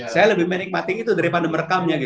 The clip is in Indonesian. saya lebih menikmati itu daripada merekamnya